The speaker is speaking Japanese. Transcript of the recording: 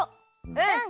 うん！